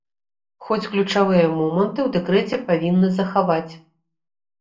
Хоць ключавыя моманты ў дэкрэце павінны захаваць.